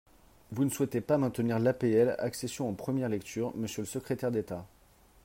Vous ne souhaitez pas maintenir l’APL accession en première lecture, monsieur le secrétaire d’État.